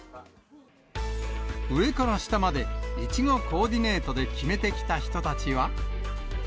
上から下まで、いちごコーディネートできめてきた人たちは。